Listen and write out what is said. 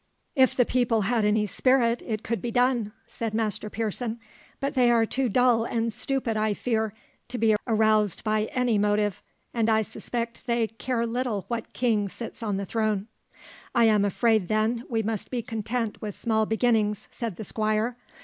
"If the people had any spirit, it could be done," said Master Pearson; "but they are too dull and stupid, I fear, to be aroused by any motive, and I suspect they care little what king sits on the throne." "I am afraid, then, we must be content with small beginnings," said the Squire.